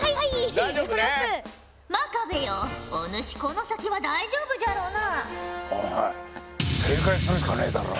真壁よお主この先は大丈夫じゃろうな？